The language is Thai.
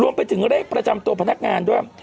ไปถึงเลขประจำตัวพนักงานด้วย